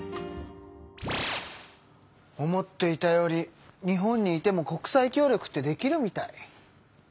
思っていたより日本にいても国際協力ってできるみたい！